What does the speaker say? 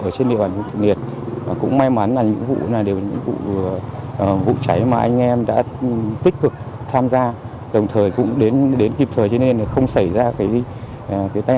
sẽ được giảm thiểu một cách đáng kể